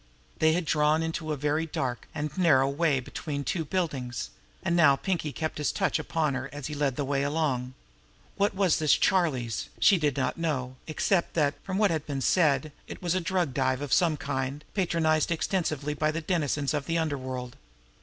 They had drawn into a very dark and narrow area way between two buildings, and now Pinkie kept his touch upon her as he led the way along. What was this "Charlie's"? She did not know, except that, from what had been said, it was a drug dive of some kind, patronized extensively by the denizens of the underworld.